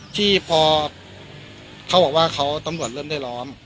ที่พอเขาบอกว่าเขาตำรวจเริ่มได้ล้อม